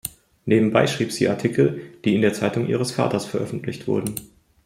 Nebenbei schrieb sie Artikel, die in der Zeitung ihres Vaters veröffentlicht wurden.